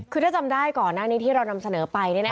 คือถ้าจำได้ก่อนหน้านี้ที่เรานำเสนอไป